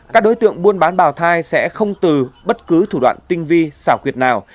các đối tượng buôn bán bào thai sẽ không từ bất cứ thủ đoạn tinh vi xảo quyệt nào